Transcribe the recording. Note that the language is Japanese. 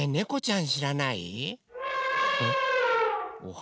ん？